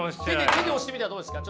手で押してみたらどうですか。